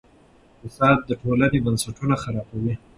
فساد د ټولنې بنسټونه خرابوي.